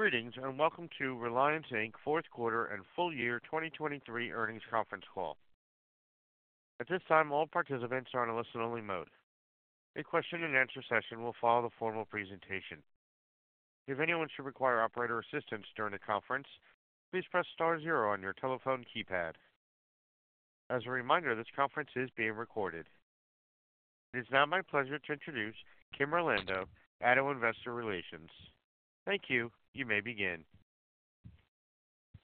Greetings, and welcome to Reliance, Inc's Fourth Quarter and Full Year 2023 Earnings Conference Call. At this time, all participants are in a listen-only mode. A question-and-answer session will follow the formal presentation. If anyone should require operator assistance during the conference, please press star zero on your telephone keypad. As a reminder, this conference is being recorded. It is now my pleasure to introduce Kim Orlando, ADDO Investor Relations. Thank you. You may begin.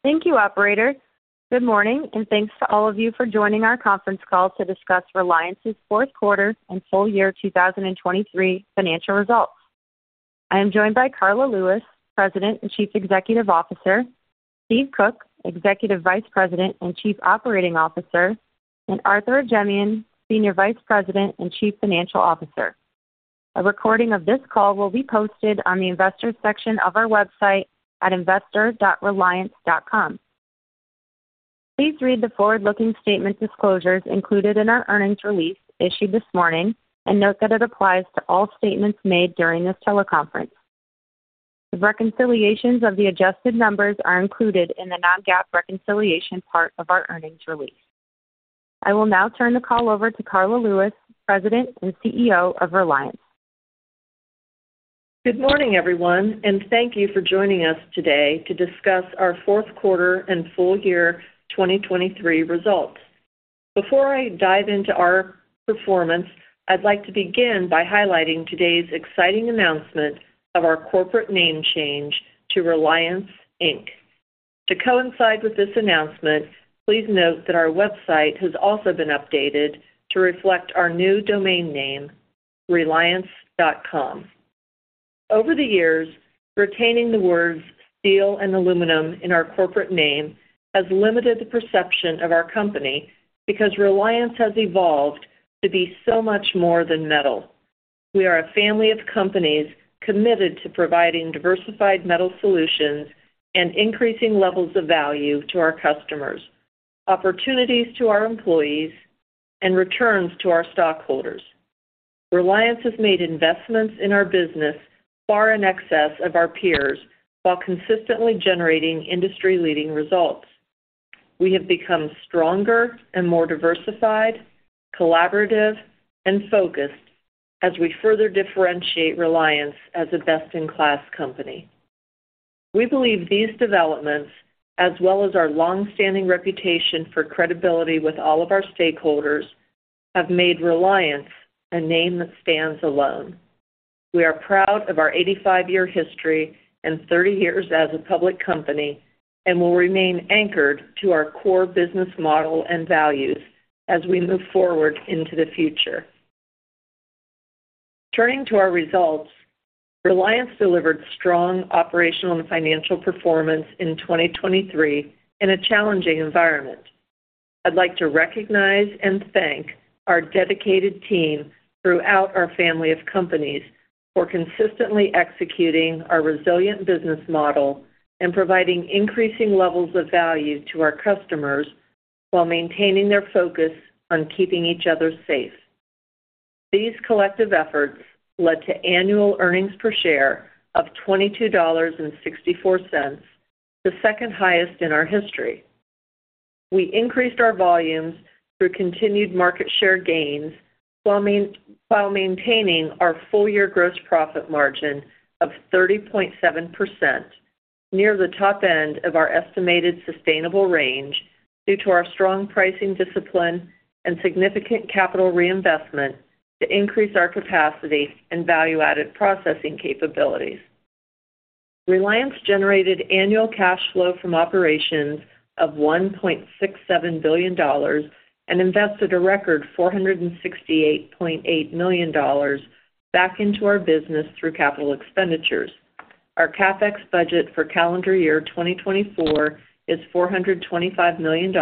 Thank you, Operator. Good morning, and thanks to all of you for joining our conference call to discuss Reliance's fourth quarter and full year 2023 financial results. I am joined by Karla Lewis, President and Chief Executive Officer; Steve Koch, Executive Vice President and Chief Operating Officer; and Arthur Ajemyan, Senior Vice President and Chief Financial Officer. A recording of this call will be posted on the Investors section of our website at investor.reliance.com. Please read the forward-looking statement disclosures included in our earnings release issued this morning, and note that it applies to all statements made during this teleconference. The reconciliations of the adjusted numbers are included in the non-GAAP reconciliation part of our earnings release. I will now turn the call over to Karla Lewis, President and CEO of Reliance. Good morning, everyone, and thank you for joining us today to discuss our fourth quarter and full year 2023 results. Before I dive into our performance, I'd like to begin by highlighting today's exciting announcement of our corporate name change to Reliance, Inc. To coincide with this announcement, please note that our website has also been updated to reflect our new domain name, reliance.com. Over the years, retaining the words steel and aluminum in our corporate name has limited the perception of our company because Reliance has evolved to be so much more than metal. We are a family of companies committed to providing diversified metal solutions and increasing levels of value to our customers, opportunities to our employees, and returns to our stockholders. Reliance has made investments in our business far in excess of our peers, while consistently generating industry-leading results. We have become stronger and more diversified, collaborative, and focused as we further differentiate Reliance as a best-in-class company. We believe these developments, as well as our long-standing reputation for credibility with all of our stakeholders, have made Reliance a name that stands alone. We are proud of our 85-year history and 30 years as a public company, and will remain anchored to our core business model and values as we move forward into the future. Turning to our results, Reliance delivered strong operational and financial performance in 2023 in a challenging environment. I'd like to recognize and thank our dedicated team throughout our family of companies for consistently executing our resilient business model and providing increasing levels of value to our customers while maintaining their focus on keeping each other safe. These collective efforts led to annual earnings per share of $22.64, the second highest in our history. We increased our volumes through continued market share gains, while maintaining our full-year gross profit margin of 30.7%, near the top end of our estimated sustainable range due to our strong pricing discipline and significant capital reinvestment to increase our capacity and value-added processing capabilities. Reliance generated annual cash flow from operations of $1.67 billion and invested a record $468.8 million back into our business through capital expenditures. Our CapEx budget for calendar year 2024 is $425 million,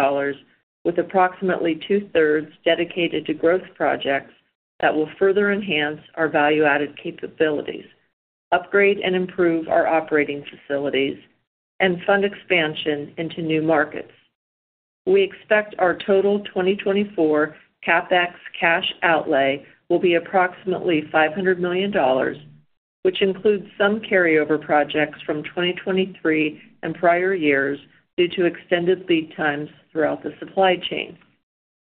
with approximately 2/3 dedicated to growth projects that will further enhance our value-added capabilities, upgrade and improve our operating facilities, and fund expansion into new markets. We expect our total 2024 CapEx cash outlay will be approximately $500 million, which includes some carryover projects from 2023 and prior years due to extended lead times throughout the supply chain.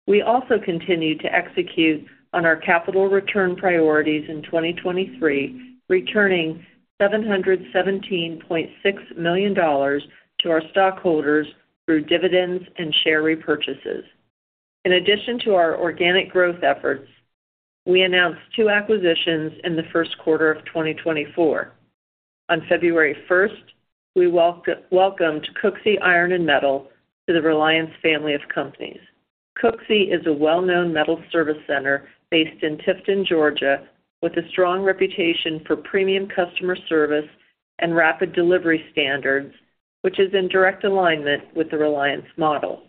We also continued to execute on our capital return priorities in 2023, returning $717.6 million to our stockholders through dividends and share repurchases. In addition to our organic growth efforts, we announced two acquisitions in the first quarter of 2024. On February 1, we welcomed Cooksey Iron & Metal to the Reliance family of companies. Cooksey is a well-known metal service center based in Tifton, Georgia, with a strong reputation for premium customer service and rapid delivery standards, which is in direct alignment with the Reliance model.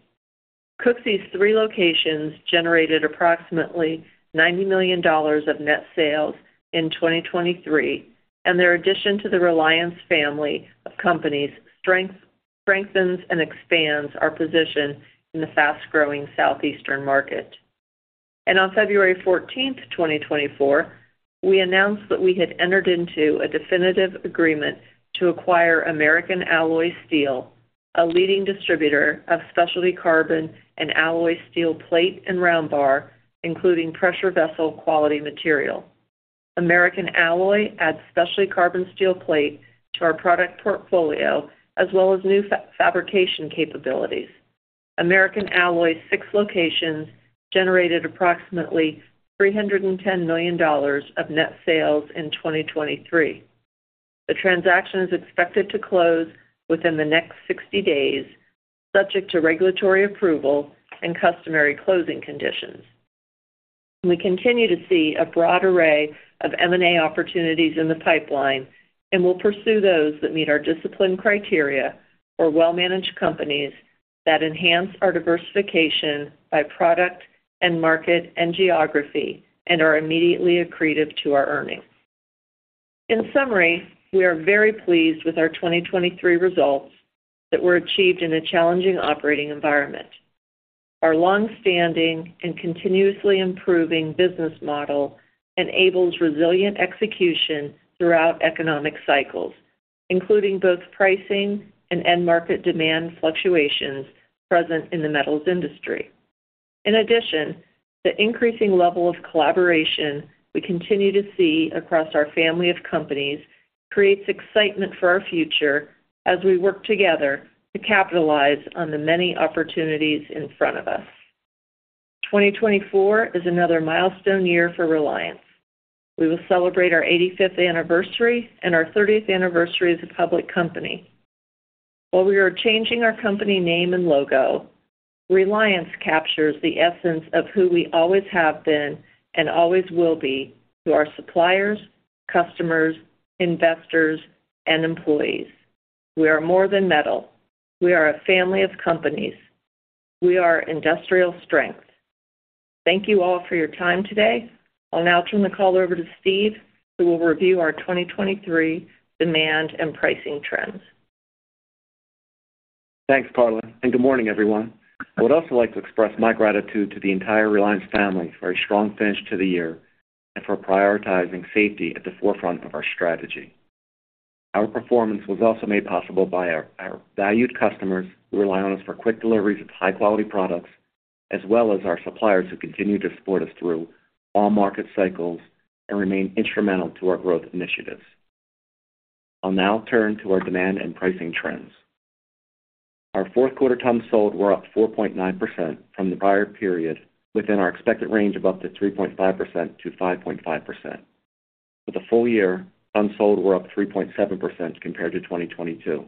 Cooksey's three locations generated approximately $90 million of net sales in 2023, and their addition to the Reliance family of companies strengthens and expands our position in the fast-growing Southeastern market. On February 14, 2024, we announced that we had entered into a definitive agreement to acquire American Alloy Steel, a leading distributor of specialty carbon and alloy steel plate and round bar, including pressure vessel quality material. American Alloy adds specialty carbon steel plate to our product portfolio, as well as new fabrication capabilities. American Alloy's six locations generated approximately $310 million of net sales in 2023. The transaction is expected to close within the next 60 days, subject to regulatory approval and customary closing conditions. We continue to see a broad array of M&A opportunities in the pipeline, and we'll pursue those that meet our discipline criteria for well-managed companies that enhance our diversification by product and market and geography, and are immediately accretive to our earnings. In summary, we are very pleased with our 2023 results that were achieved in a challenging operating environment. Our long-standing and continuously improving business model enables resilient execution throughout economic cycles, including both pricing and end-market demand fluctuations present in the metals industry. In addition, the increasing level of collaboration we continue to see across our family of companies creates excitement for our future as we work together to capitalize on the many opportunities in front of us. 2024 is another milestone year for Reliance. We will celebrate our 85th anniversary and our 30th anniversary as a public company. While we are changing our company name and logo, Reliance captures the essence of who we always have been and always will be to our suppliers, customers, investors, and employees. We are more than metal. We are a family of companies. We are industrial strength. Thank you all for your time today. I'll now turn the call over to Steve, who will review our 2023 demand and pricing trends. Thanks, Karla, and good morning, everyone. I would also like to express my gratitude to the entire Reliance family for a strong finish to the year and for prioritizing safety at the forefront of our strategy. Our performance was also made possible by our valued customers who rely on us for quick deliveries of high-quality products, as well as our suppliers, who continue to support us through all market cycles and remain instrumental to our growth initiatives. I'll now turn to our demand and pricing trends. Our fourth quarter tons sold were up 4.9% from the prior period, within our expected range of up to 3.5%-5.5%. For the full year, tons sold were up 3.7% compared to 2022,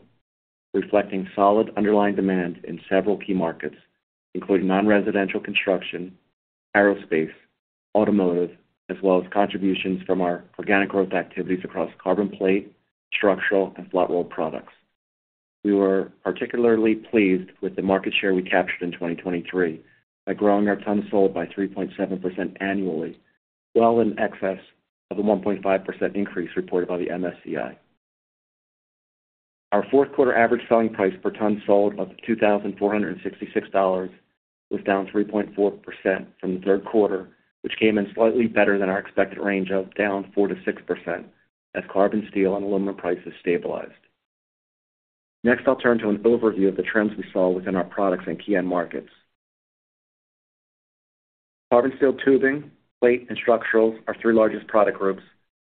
reflecting solid underlying demand in several key markets, including non-residential construction, aerospace, automotive, as well as contributions from our organic growth activities across carbon plate, structural, and flat roll products. We were particularly pleased with the market share we captured in 2023 by growing our tons sold by 3.7% annually, well in excess of the 1.5% increase reported by the MSCI. Our fourth quarter average selling price per ton sold of $2,466 was down 3.4% from the third quarter, which came in slightly better than our expected range of down 4%-6%, as carbon steel and aluminum prices stabilized. Next, I'll turn to an overview of the trends we saw within our products and key end markets. Carbon steel tubing, plate, and structural, our three largest product groups,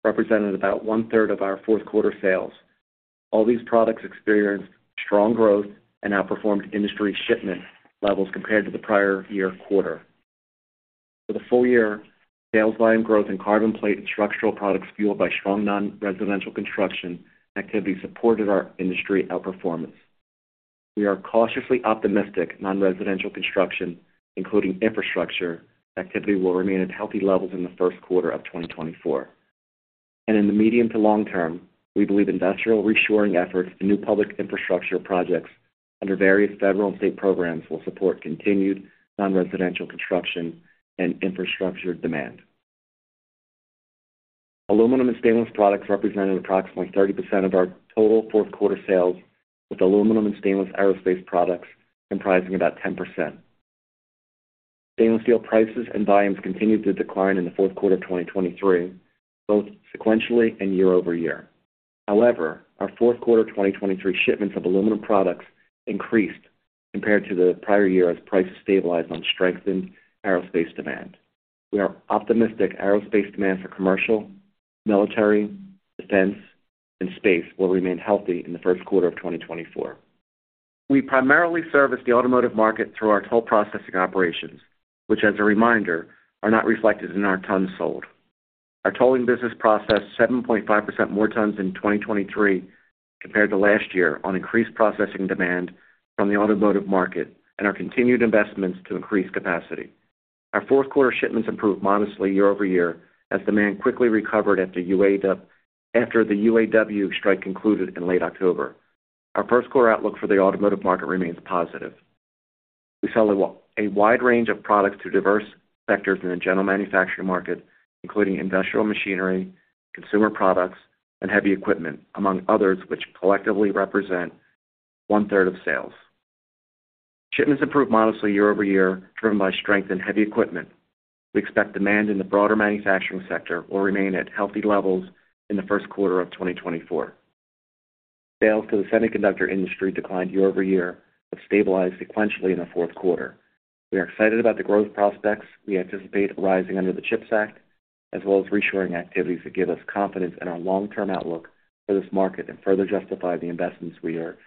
represented about 1/3 of our fourth quarter sales. All these products experienced strong growth and outperformed industry shipment levels compared to the prior year quarter. For the full year, sales volume growth in carbon plate and structural products, fueled by strong non-residential construction activity, supported our industry outperformance. We are cautiously optimistic non-residential construction, including infrastructure activity, will remain at healthy levels in the first quarter of 2024. In the medium to long term, we believe industrial reshoring efforts and new public infrastructure projects under various federal and state programs will support continued non-residential construction and infrastructure demand. Aluminum and stainless products represented approximately 30% of our total fourth quarter sales, with aluminum and stainless aerospace products comprising about 10%. Stainless steel prices and volumes continued to decline in the fourth quarter of 2023, both sequentially and year-over-year. However, our fourth quarter 2023 shipments of aluminum products increased compared to the prior year, as prices stabilized on strengthened aerospace demand. We are optimistic aerospace demand for commercial, military, defense, and space will remain healthy in the first quarter of 2024. We primarily service the automotive market through our toll processing operations, which, as a reminder, are not reflected in our tons sold. Our tolling business processed 7.5% more tons in 2023 compared to last year, on increased processing demand from the automotive market and our continued investments to increase capacity. Our fourth quarter shipments improved modestly year-over-year as demand quickly recovered after the UAW strike concluded in late October. Our first quarter outlook for the automotive market remains positive. We sell a wide range of products to diverse sectors in the general manufacturing market, including industrial machinery, consumer products, and heavy equipment, among others, which collectively represent one third of sales. Shipments improved modestly year-over-year, driven by strength in heavy equipment. We expect demand in the broader manufacturing sector will remain at healthy levels in the first quarter of 2024. Sales to the semiconductor industry declined year-over-year, but stabilized sequentially in the fourth quarter. We are excited about the growth prospects we anticipate rising under the CHIPS Act, as well as reshoring activities that give us confidence in our long-term outlook for this market and further justify the investments we are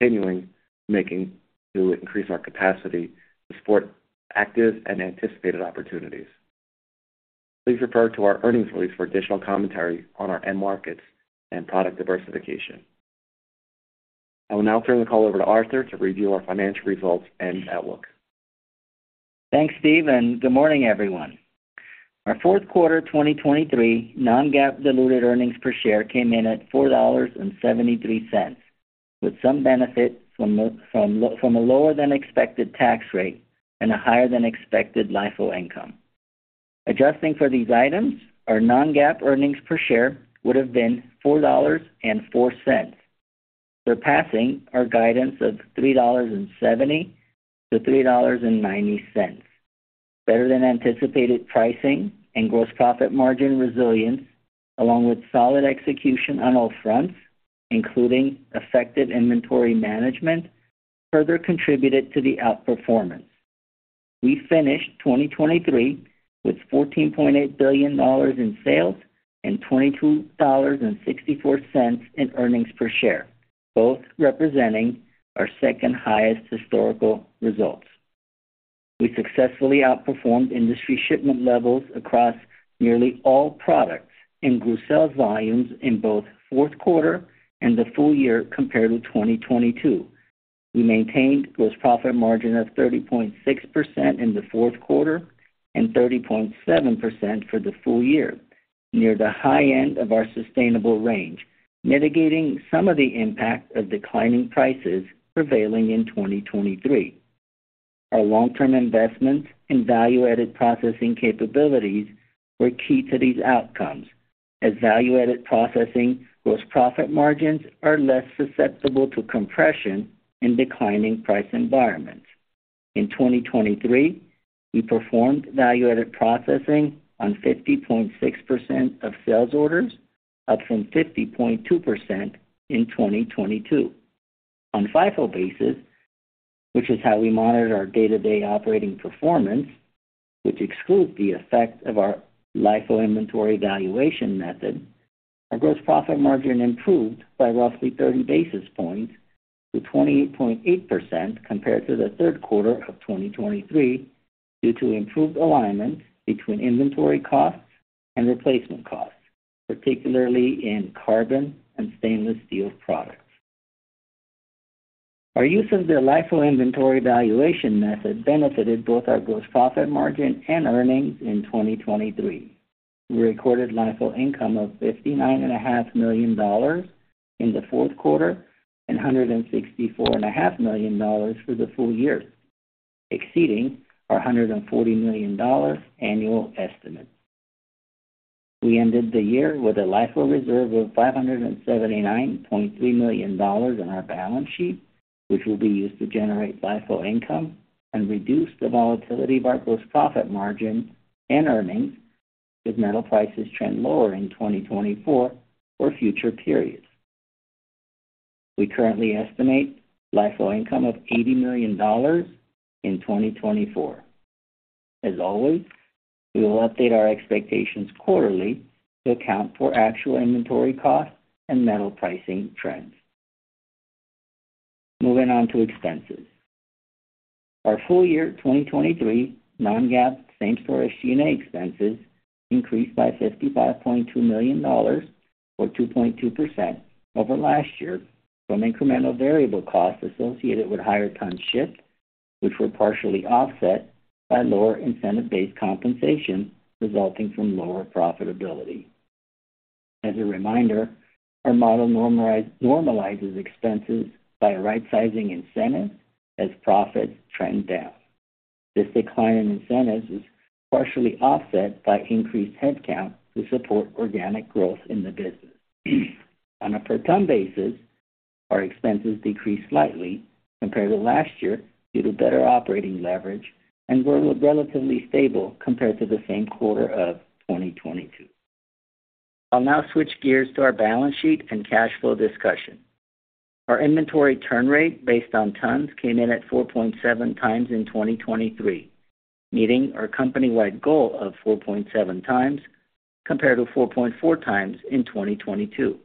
continuing making to increase our capacity to support active and anticipated opportunities. Please refer to our earnings release for additional commentary on our end markets and product diversification. I will now turn the call over to Arthur to review our financial results and outlook. Thanks, Steve, and good morning, everyone. Our fourth quarter 2023 non-GAAP diluted earnings per share came in at $4.73, with some benefit from a lower-than-expected tax rate and a higher-than-expected LIFO income. Adjusting for these items, our non-GAAP earnings per share would have been $4.04, surpassing our guidance of $3.70-$3.90. Better than anticipated pricing and gross profit margin resilience, along with solid execution on all fronts, including effective inventory management, further contributed to the outperformance. We finished 2023 with $14.8 billion in sales and $22.64 in earnings per share, both representing our second-highest historical results. We successfully outperformed industry shipment levels across nearly all products and grew sales volumes in both fourth quarter and the full year compared with 2022. We maintained gross profit margin of 30.6% in the fourth quarter and 30.7% for the full year, near the high end of our sustainable range, mitigating some of the impact of declining prices prevailing in 2023. Our long-term investments in value-added processing capabilities were key to these outcomes, as value-added processing gross profit margins are less susceptible to compression in declining price environments. In 2023, we performed value-added processing on 50.6% of sales orders, up from 50.2% in 2022. On FIFO basis, which is how we monitor our day-to-day operating performance, which excludes the effect of our LIFO inventory valuation method, our gross profit margin improved by roughly 30 basis points to 28.8% compared to the third quarter of 2023, due to improved alignment between inventory costs and replacement costs, particularly in carbon and stainless steel products. Our use of the LIFO inventory valuation method benefited both our gross profit margin and earnings in 2023. We recorded LIFO income of $59.5 million in the fourth quarter and $164.5 million for the full year, exceeding our $140 million annual estimate. We ended the year with a LIFO reserve of $579.3 million on our balance sheet, which will be used to generate LIFO income and reduce the volatility of our gross profit margin and earnings if metal prices trend lower in 2024 or future periods. We currently estimate LIFO income of $80 million in 2024. As always, we will update our expectations quarterly to account for actual inventory costs and metal pricing trends. Moving on to expenses. Our full year 2023 non-GAAP same-store SG&A expenses increased by $55.2 million, or 2.2% over last year from incremental variable costs associated with higher ton shipped, which were partially offset by lower incentive-based compensation resulting from lower profitability. As a reminder, our model normalizes expenses by rightsizing incentives as profits trend down. This decline in incentives is partially offset by increased headcount to support organic growth in the business. On a per ton basis, our expenses decreased slightly compared to last year due to better operating leverage and were relatively stable compared to the same quarter of 2022. I'll now switch gears to our balance sheet and cash flow discussion. Our inventory turn rate, based on tons, came in at 4.7x in 2023, meeting our company-wide goal of 4.7x compared to 4.4x in 2022.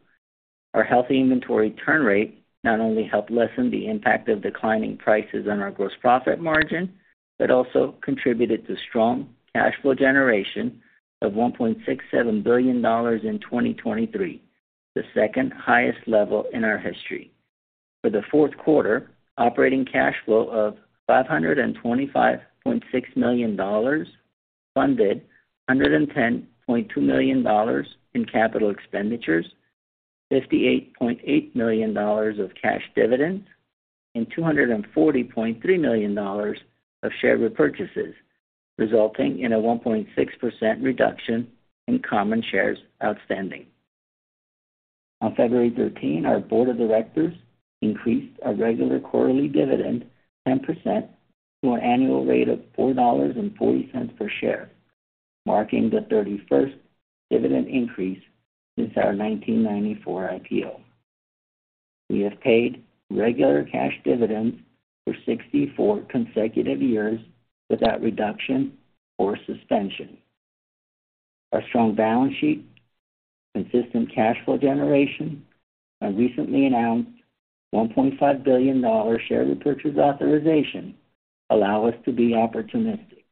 Our healthy inventory turn rate not only helped lessen the impact of declining prices on our gross profit margin, but also contributed to strong cash flow generation of $1.67 billion in 2023, the second highest level in our history. For the fourth quarter, operating cash flow of $525.6 million funded $110.2 million in capital expenditures, $58.8 million of cash dividends, and $240.3 million of share repurchases, resulting in a 1.6% reduction in common shares outstanding. On February 13, our Board of Directors increased our regular quarterly dividend 10% to an annual rate of $4.40 per share, marking the thirty-first dividend increase since our 1994 IPO. We have paid regular cash dividends for 64 consecutive years without reduction or suspension. Our strong balance sheet, consistent cash flow generation, and recently announced $1.5 billion share repurchase authorization allow us to be opportunistic.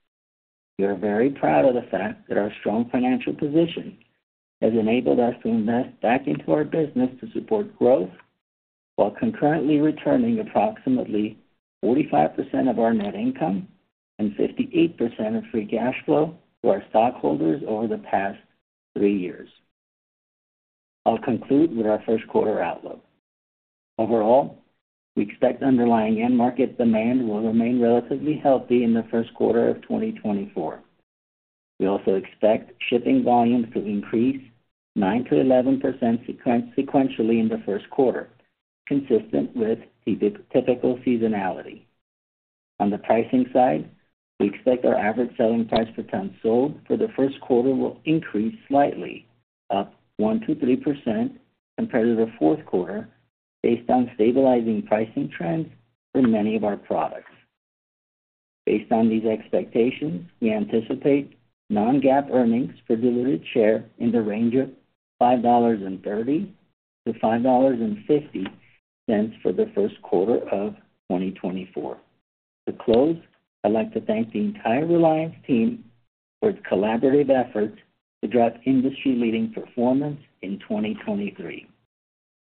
We are very proud of the fact that our strong financial position has enabled us to invest back into our business to support growth, while concurrently returning approximately 45% of our net income and 58% of free cash flow to our stockholders over the past three years. I'll conclude with our first quarter outlook. Overall, we expect underlying end market demand will remain relatively healthy in the first quarter of 2024. We also expect shipping volumes to increase 9%-11% sequentially in the first quarter, consistent with the typical seasonality. On the pricing side, we expect our average selling price per ton sold for the first quarter will increase slightly, up 1%-3% compared to the fourth quarter, based on stabilizing pricing trends for many of our products. Based on these expectations, we anticipate non-GAAP earnings per diluted share in the range of $5.30-$5.50 for the first quarter of 2024. To close, I'd like to thank the entire Reliance team for its collaborative efforts to drive industry-leading performance in 2023.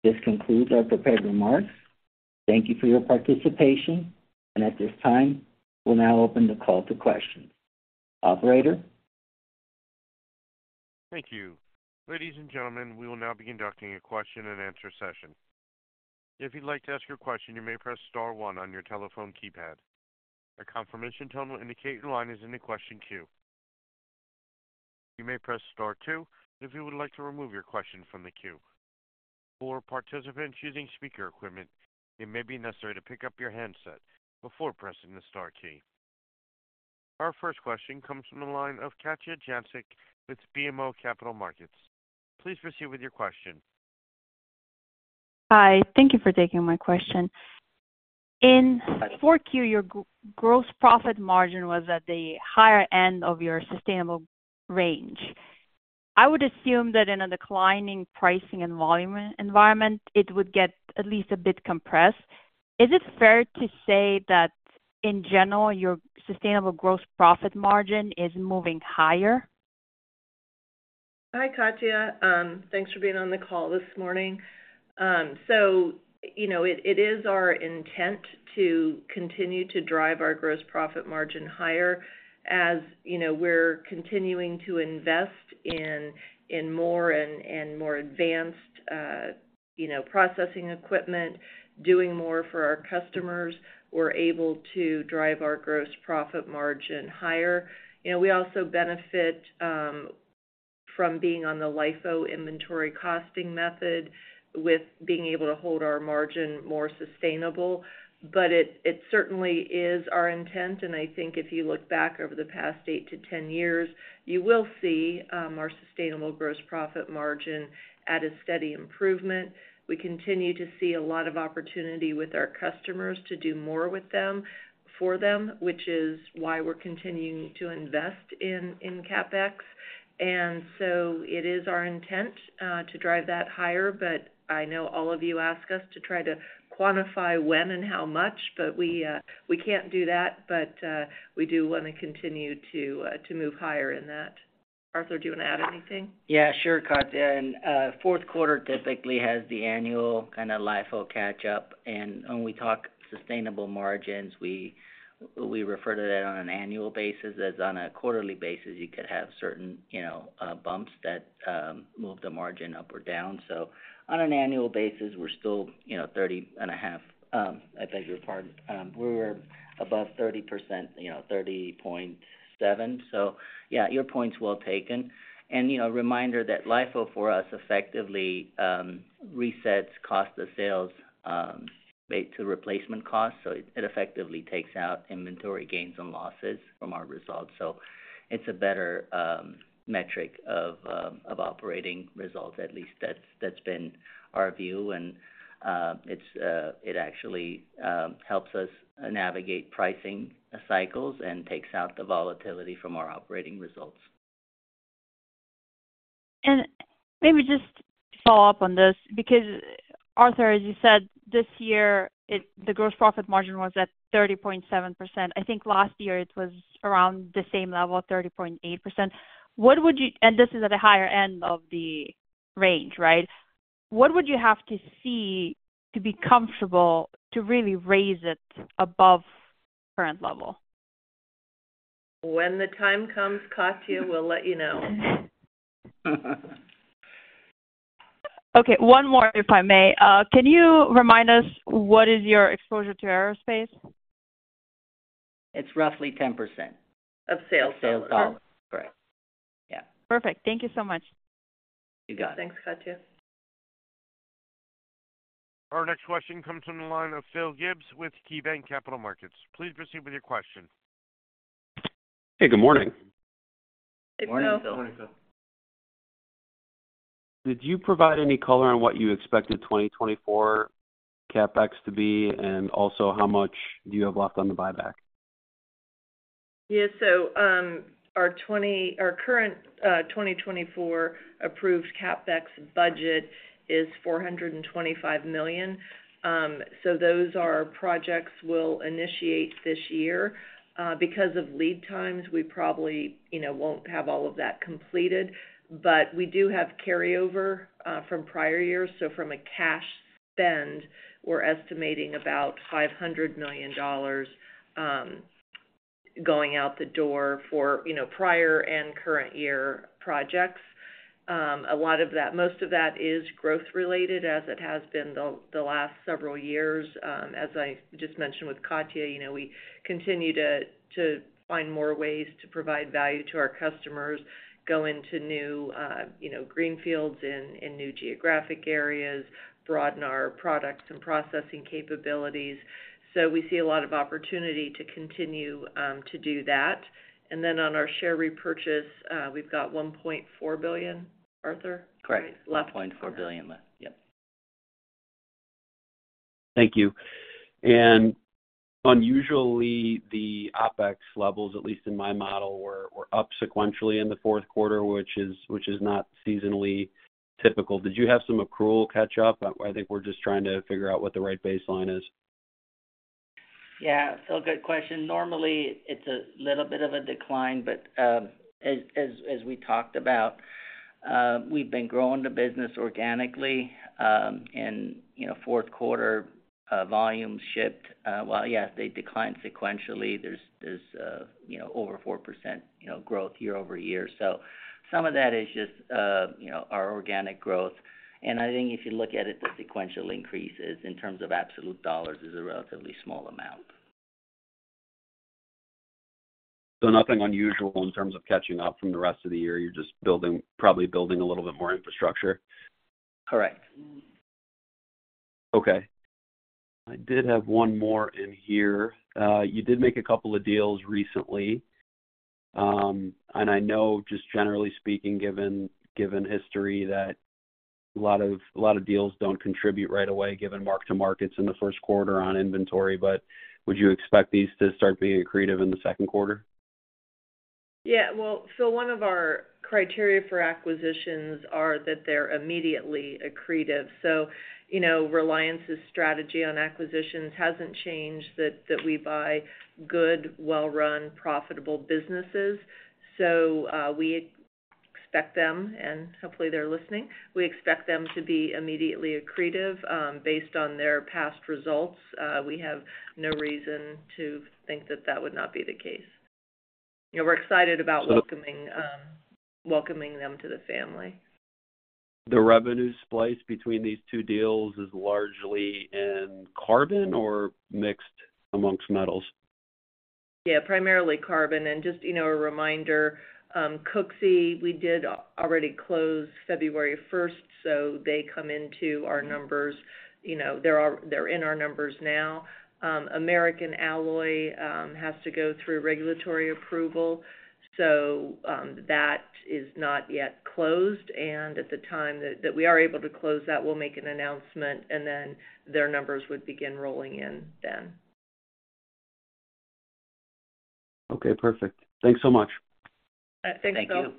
This concludes our prepared remarks. Thank you for your participation, and at this time, we'll now open the call to questions. Operator? Thank you. Ladies and gentlemen, we will now be conducting a question-and-answer session. If you'd like to ask your question, you may press star one on your telephone keypad. A confirmation tone will indicate your line is in the question queue. You may press star two if you would like to remove your question from the queue. For participants using speaker equipment, it may be necessary to pick up your handset before pressing the star key. Our first question comes from the line of Katja Jancic with BMO Capital Markets. Please proceed with your question. Hi, thank you for taking my question. In 4Q, your gross profit margin was at the higher end of your sustainable range. I would assume that in a declining pricing and volume environment, it would get at least a bit compressed. Is it fair to say that, in general, your sustainable gross profit margin is moving higher? Hi, Katja, thanks for being on the call this morning. So you know, it is our intent to continue to drive our gross profit margin higher. As you know, we're continuing to invest in more and more advanced, you know, processing equipment, doing more for our customers. We're able to drive our gross profit margin higher. You know, we also benefit from being on the LIFO inventory costing method, with being able to hold our margin more sustainable. But it certainly is our intent, and I think if you look back over the past eight to 10 years, you will see our sustainable gross profit margin at a steady improvement. We continue to see a lot of opportunity with our customers to do more with them, for them, which is why we're continuing to invest in CapEx. And so it is our intent to drive that higher, but I know all of you ask us to try to quantify when and how much, but we can't do that, but we do want to continue to move higher in that. Arthur, do you want to add anything? Yeah, sure, Katja. And, fourth quarter typically has the annual kind of LIFO catch up, and when we talk sustainable margins, we, we refer to that on an annual basis, as on a quarterly basis, you could have certain, you know, bumps that, move the margin up or down. So on an annual basis, we're still, you know, 30.5, I beg your pardon, we're above 30%, you know, 30.7%. So yeah, your point is well taken. And, you know, a reminder that LIFO for us effectively, resets cost of sales, back to replacement costs, so it, it effectively takes out inventory gains and losses from our results. So it's a better, metric of, of operating results. At least that's been our view, and it actually helps us navigate pricing cycles and takes out the volatility from our operating results. Maybe just to follow up on this, because, Arthur, as you said, this year, it—the gross profit margin was at 30.7%. I think last year it was around the same level, 30.8%. What would you... And this is at the higher end of the range, right? What would you have to see to be comfortable to really raise it above current level? When the time comes, Katja, we'll let you know. Okay, one more, if I may. Can you remind us what is your exposure to aerospace? It's roughly 10%. Of sales. Sales, correct. Yeah. Perfect. Thank you so much. You got it. Thanks, Katja. Our next question comes from the line of Phil Gibbs with KeyBanc Capital Markets. Please proceed with your question. Hey, good morning. Good morning, Phil. Morning, Phil. Did you provide any color on what you expected 2024 CapEx to be? And also, how much do you have left on the buyback? Yeah. So, our current 2024 approved CapEx budget is $425 million. So those are projects we'll initiate this year. Because of lead times, we probably, you know, won't have all of that completed. But we do have carryover from prior years. So from a cash spend, we're estimating about $500 million going out the door for, you know, prior and current year projects. A lot of that—most of that is growth-related, as it has been the last several years. As I just mentioned with Katja, you know, we continue to find more ways to provide value to our customers, go into new, you know, greenfields in new geographic areas, broaden our products and processing capabilities. So we see a lot of opportunity to continue to do that. And then on our share repurchase, we've got $1.4 billion, Arthur? Correct. Right. $1.4 billion left, yep. Thank you. Unusually, the OpEx levels, at least in my model, were up sequentially in the fourth quarter, which is not seasonally typical. Did you have some accrual catch-up? I think we're just trying to figure out what the right baseline is. Yeah, Phil, good question. Normally, it's a little bit of a decline, but, as we talked about, we've been growing the business organically, and, you know, fourth quarter, volume shipped... Well, yes, they declined sequentially. There's, you know, over 4%, you know, growth year-over-year. So some of that is just, you know, our organic growth, and I think if you look at it, the sequential increases in terms of absolute dollars, is a relatively small amount. So nothing unusual in terms of catching up from the rest of the year, you're just building, probably building a little bit more infrastructure? Correct. Okay. I did have one more in here. You did make a couple of deals recently, and I know, just generally speaking, given, given history, that a lot of, a lot of deals don't contribute right away, given mark-to-markets in the first quarter on inventory, but would you expect these to start being accretive in the second quarter? Yeah. Well, so one of our criteria for acquisitions are that they're immediately accretive. So, you know, Reliance's strategy on acquisitions hasn't changed, that, that we buy good, well-run, profitable businesses. So, we expect them, and hopefully, they're listening, we expect them to be immediately accretive, based on their past results. We have no reason to think that that would not be the case. You know, we're excited about- So- - welcoming, welcoming them to the family. The revenue split between these two deals is largely in carbon or mixed amongst metals? Yeah, primarily carbon. Just, you know, a reminder, Cooksey, we did already close February first, so they come into our numbers. You know, they're in our numbers now. American Alloy has to go through regulatory approval, so that is not yet closed, and at the time that we are able to close that, we'll make an announcement, and then their numbers would begin rolling in then. Okay, perfect. Thanks so much. Thanks, Phil. Thank you.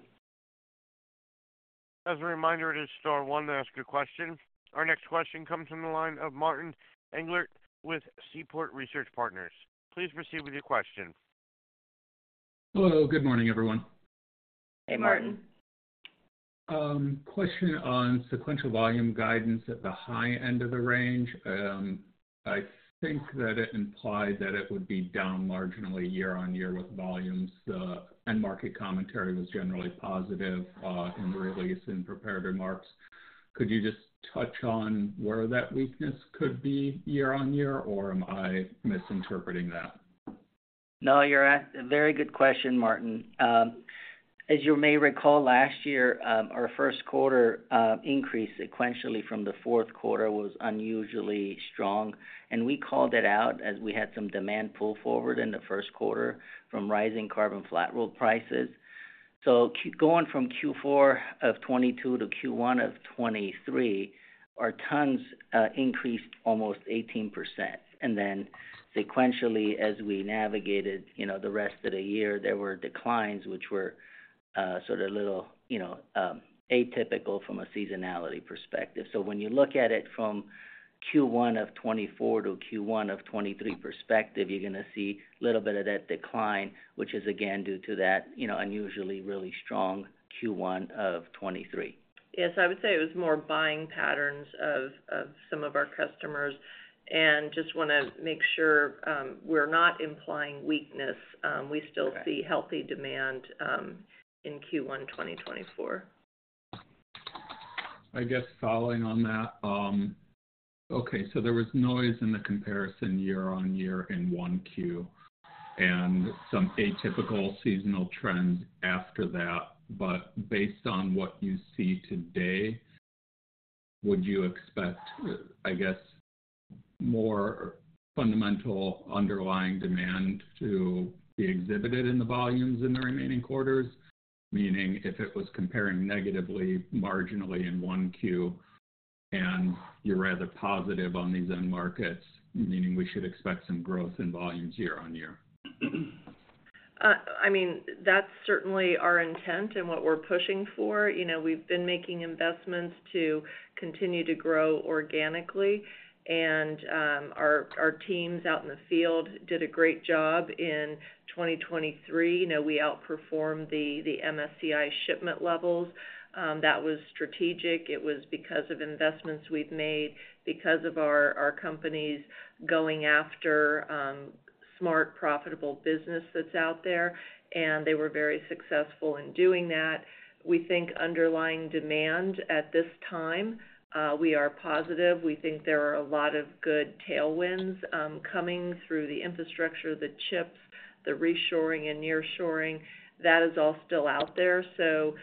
As a reminder, it is star one to ask a question. Our next question comes from the line of Martin Englert with Seaport Research Partners. Please proceed with your question. Hello, good morning, everyone. Hey, Martin. Hey, Martin. Question on sequential volume guidance at the high end of the range. I think that it implied that it would be down marginally year-on-year with volumes, and market commentary was generally positive, in the release and prepared remarks. Could you just touch on where that weakness could be year-on-year, or am I misinterpreting that? No. A very good question, Martin. As you may recall, last year, our first quarter increase sequentially from the fourth quarter was unusually strong, and we called it out as we had some demand pull forward in the first quarter from rising carbon flat rolled prices. So going from Q4 of 2022 to Q1 of 2023, our tons increased almost 18%. And then sequentially, as we navigated, you know, the rest of the year, there were declines, which were sort of a little, you know, atypical from a seasonality perspective. So when you look at it from Q1 of 2024 to Q1 of 2023 perspective, you're gonna see a little bit of that decline, which is, again, due to that, you know, unusually really strong Q1 of 2023. Yes, I would say it was more buying patterns of some of our customers, and just wanna make sure we're not implying weakness. We still- Got it. - see healthy demand in Q1 2024. I guess following on that, okay, so there was noise in the comparison year-on-year in 1Q, and some atypical seasonal trends after that. But based on what you see today, would you expect, I guess, more fundamental underlying demand to be exhibited in the volumes in the remaining quarters? Meaning, if it was comparing negatively, marginally in 1Q, and you're rather positive on these end markets, meaning we should expect some growth in volumes year-over-year. I mean, that's certainly our intent and what we're pushing for. You know, we've been making investments to continue to grow organically, and, our teams out in the field did a great job in 2023. You know, we outperformed the MSCI shipment levels. That was strategic. It was because of investments we've made, because of our companies going after, smart, profitable business that's out there, and they were very successful in doing that. We think underlying demand at this time, we are positive. We think there are a lot of good tailwinds, coming through the infrastructure, the chips, the reshoring and nearshoring. That is all still out there. So,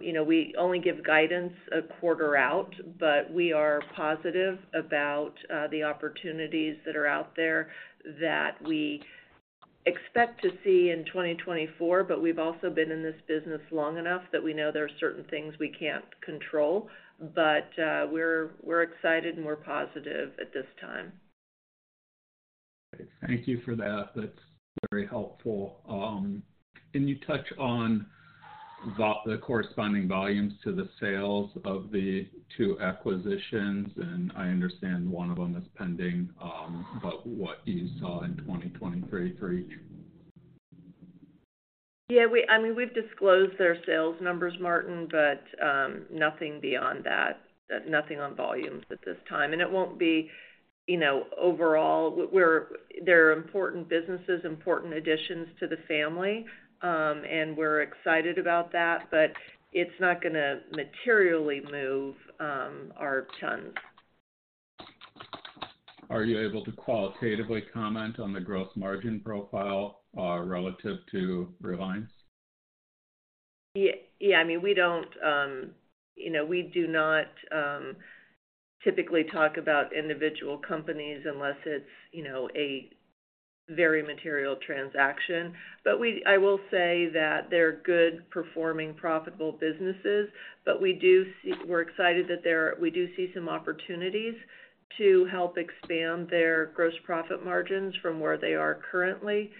you know, we only give guidance a quarter out, but we are positive about, the opportunities that are out there that we expect to see in 2024. But we've also been in this business long enough that we know there are certain things we can't control. But we're excited and we're positive at this time. Thank you for that. That's very helpful. Can you touch on the corresponding volumes to the sales of the two acquisitions? And I understand one of them is pending, but what you saw in 2023 for each. Yeah, I mean, we've disclosed their sales numbers, Martin, but nothing beyond that, nothing on volumes at this time. And it won't be... You know, overall, they're important businesses, important additions to the family, and we're excited about that, but it's not gonna materially move our tons. Are you able to qualitatively comment on the growth margin profile, relative to Reliance? Yeah, I mean, we don't, you know, we do not typically talk about individual companies unless it's, you know, a very material transaction. But we—I will say that they're good, performing, profitable businesses, but we do see—we're excited that there—we do see some opportunities to help expand their gross profit margins from where they are currently.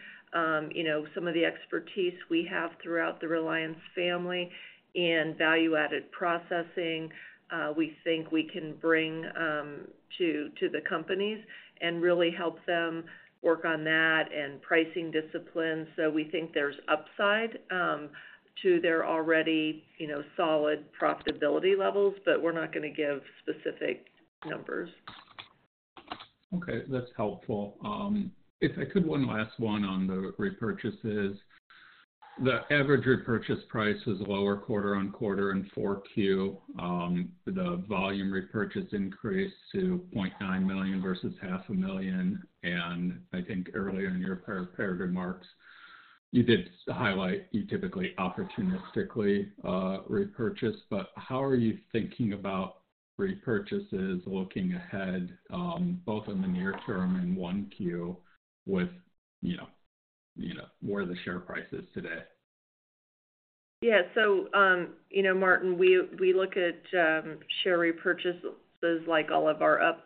You know, some of the expertise we have throughout the Reliance family in value-added processing, we think we can bring to the companies and really help them work on that and pricing discipline. So we think there's upside to their already, you know, solid profitability levels, but we're not gonna give specific numbers. Okay, that's helpful. If I could, one last one on the repurchases. The average repurchase price was lower quarter-over-quarter in 4Q. The volume repurchase increased to 0.9 million versus 0.5 million, and I think earlier in your prepared remarks, you did highlight you typically opportunistically repurchase. But how are you thinking about repurchases looking ahead, both in the near term and 1Q with, you know, where the share price is today? Yeah. So, you know, Martin, we, we look at share repurchases like all of our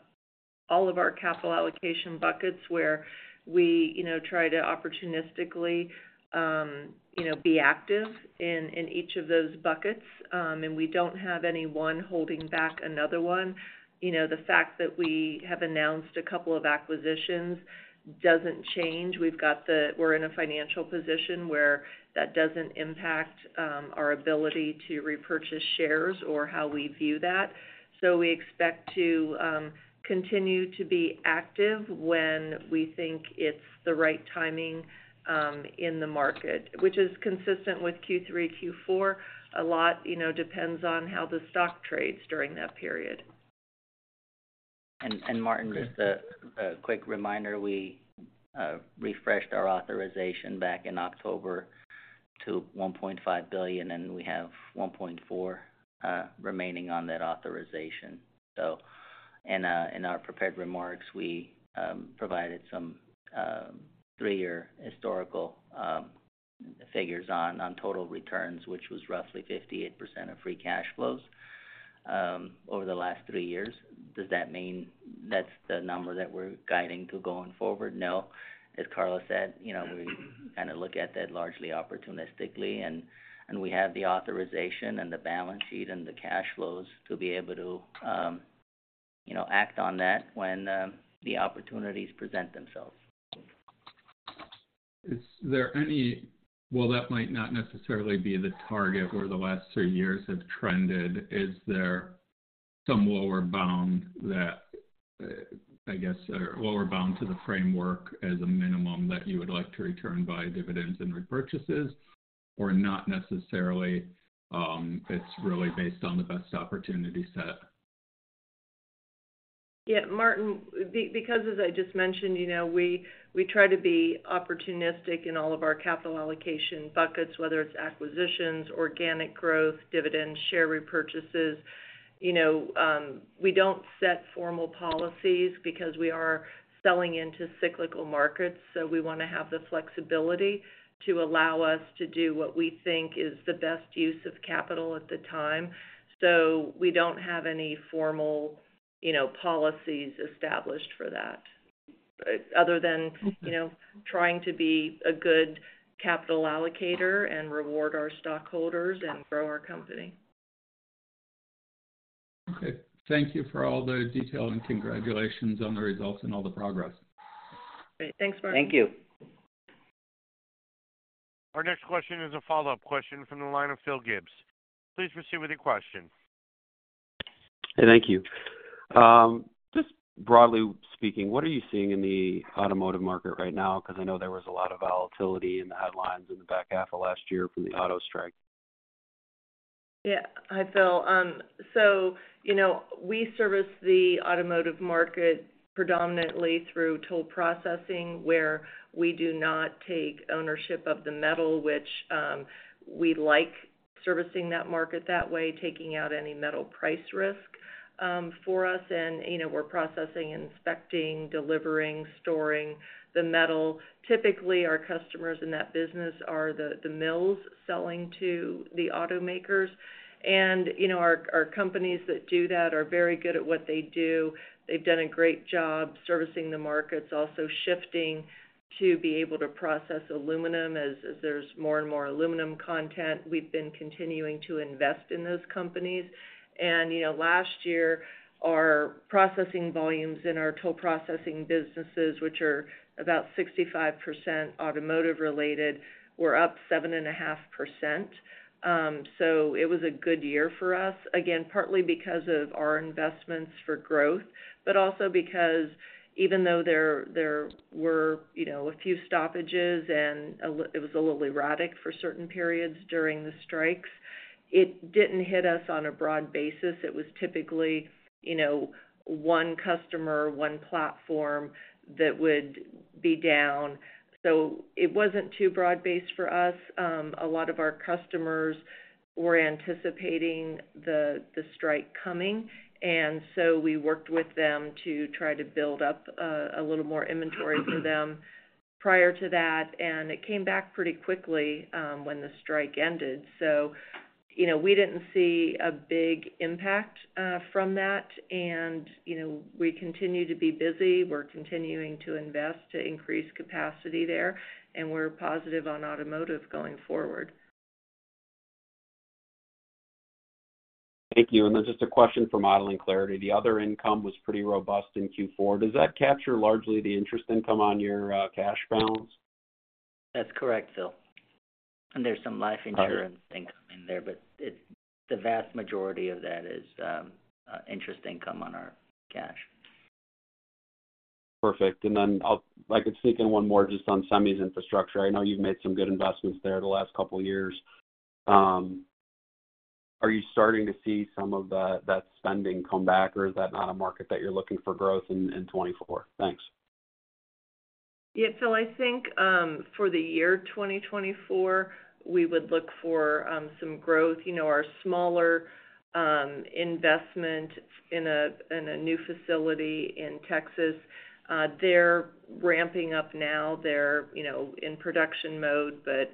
all of our capital allocation buckets, where we, you know, try to opportunistically, you know, be active in, in each of those buckets, and we don't have any one holding back another one. You know, the fact that we have announced a couple of acquisitions doesn't change. We're in a financial position where that doesn't impact our ability to repurchase shares or how we view that. So we expect to continue to be active when we think it's the right timing in the market, which is consistent with Q3, Q4. A lot, you know, depends on how the stock trades during that period. Martin, just a quick reminder, we refreshed our authorization back in October to $1.5 billion, and we have $1.4 billion remaining on that authorization. So in our prepared remarks, we provided some three-year historical figures on total returns, which was roughly 58% of free cash flows over the last three years. Does that mean that's the number that we're guiding to going forward? No. As Karla said, you know, we kind of look at that largely opportunistically, and we have the authorization and the balance sheet, and the cash flows to be able to, you know, act on that when the opportunities present themselves. Is there any? Well, that might not necessarily be the target where the last three years have trended. Is there some lower bound that, I guess, lower bound to the framework as a minimum that you would like to return via dividends and repurchases? Or not necessarily, it's really based on the best opportunity set. Yeah, Martin, because as I just mentioned, you know, we try to be opportunistic in all of our capital allocation buckets, whether it's acquisitions, organic growth, dividends, share repurchases. You know, we don't set formal policies because we are selling into cyclical markets, so we wanna have the flexibility to allow us to do what we think is the best use of capital at the time. So we don't have any formal, you know, policies established for that, other than- Mm-hmm... you know, trying to be a good capital allocator and reward our stockholders and grow our company. Okay. Thank you for all the detail, and congratulations on the results and all the progress. Great. Thanks, Martin. Thank you. Our next question is a follow-up question from the line of Phil Gibbs. Please proceed with your question. Hey, thank you. Just broadly speaking, what are you seeing in the automotive market right now? Because I know there was a lot of volatility in the headlines in the back half of last year from the auto strike. Yeah. Hi, Phil. So you know, we service the automotive market predominantly through toll processing, where we do not take ownership of the metal, which, we like servicing that market that way, taking out any metal price risk, for us. And, you know, we're processing, inspecting, delivering, storing the metal. Typically, our customers in that business are the mills selling to the automakers. And, you know, our companies that do that are very good at what they do. They've done a great job servicing the markets, also shifting to be able to process aluminum. As there's more and more aluminum content, we've been continuing to invest in those companies. And, you know, last year, our processing volumes in our toll processing businesses, which are about 65% automotive related, were up 7.5%. So it was a good year for us. Again, partly because of our investments for growth, but also because even though there were, you know, a few stoppages and it was a little erratic for certain periods during the strikes, it didn't hit us on a broad basis. It was typically, you know, one customer, one platform that would be down. So it wasn't too broad-based for us. A lot of our customers were anticipating the strike coming, and so we worked with them to try to build up a little more inventory for them prior to that, and it came back pretty quickly when the strike ended. So, you know, we didn't see a big impact from that. And, you know, we continue to be busy. We're continuing to invest to increase capacity there, and we're positive on automotive going forward. Thank you. And then just a question for modeling clarity. The other income was pretty robust in Q4. Does that capture largely the interest income on your cash balance? That's correct, Phil. And there's some life insurance- Okay ...income in there, but it's, the vast majority of that is, interest income on our cash. Perfect. And then I'll sneak in one more just on semis infrastructure. I know you've made some good investments there the last couple of years. Are you starting to see some of that spending come back, or is that not a market that you're looking for growth in, in 2024? Thanks. Yeah, Phil, I think for the year 2024, we would look for some growth. You know, our smaller investment in a new facility in Texas, they're ramping up now. They're, you know, in production mode, but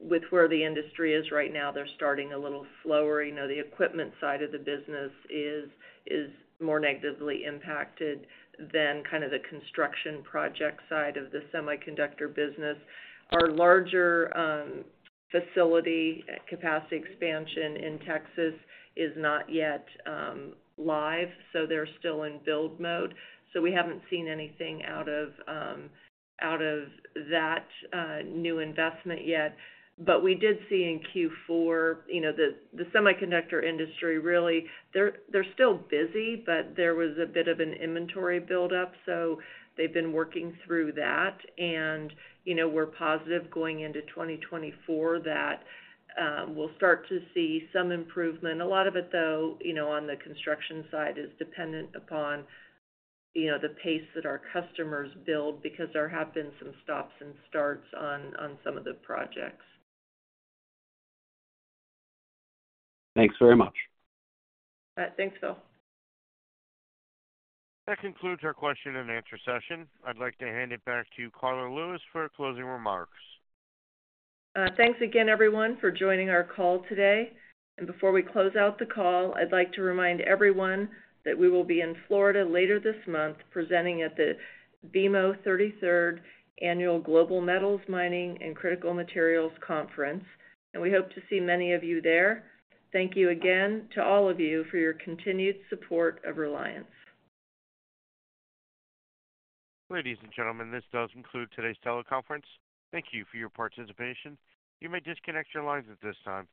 with where the industry is right now, they're starting a little slower. You know, the equipment side of the business is more negatively impacted than kind of the construction project side of the semiconductor business. Our larger facility capacity expansion in Texas is not yet live, so they're still in build mode. So we haven't seen anything out of that new investment yet. But we did see in Q4, you know, the semiconductor industry, really, they're still busy, but there was a bit of an inventory buildup, so they've been working through that. You know, we're positive going into 2024 that we'll start to see some improvement. A lot of it, though, you know, on the construction side, is dependent upon, you know, the pace that our customers build because there have been some stops and starts on some of the projects. Thanks very much. Thanks, Phil. That concludes our question and answer session. I'd like to hand it back to Karla Lewis for closing remarks. Thanks again, everyone, for joining our call today. Before we close out the call, I'd like to remind everyone that we will be in Florida later this month, presenting at the BMO 33rd Annual Global Metals, Mining & Critical Materials Conference, and we hope to see many of you there. Thank you again to all of you for your continued support of Reliance. Ladies and gentlemen, this does conclude today's teleconference. Thank you for your participation. You may disconnect your lines at this time.